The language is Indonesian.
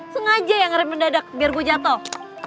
sengaja yang rem pendadak biar gue jatuh